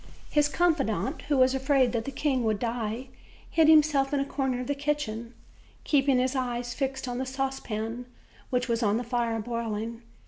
His confidant, who was afraid that the king would die, hid himself in a corner of the kitchen, keeping his eyes fixed on the saucepan, which was on the fire boiling.